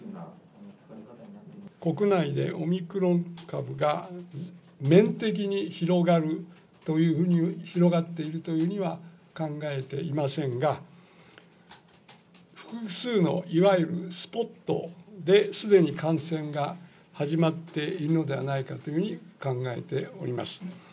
国内でオミクロン株が面的に広がっているというふうには考えていませんが、複数のいわゆるスポットで、すでに感染が始まっているのではないかというふうに考えております。